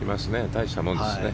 大したもんですね。